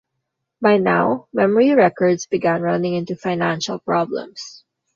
By now, Memory Records began running into financial problems.